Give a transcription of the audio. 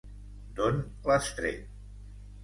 D'on l'has tret?